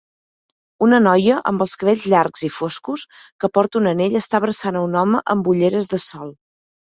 Una noia amb els cabells llargs i foscos que porta un anell està abraçant a un home amb ulleres de sol